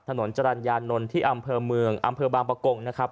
ถนนจรรยานนท์ที่อำเภอเมืองอำเภอบางประกงนะครับ